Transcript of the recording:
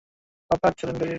পাপা, চলেন গাড়ি রেডি।